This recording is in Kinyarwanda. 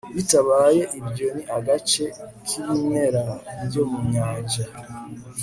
bitabaye ibyo ni agace k'ibimera byo mu nyanja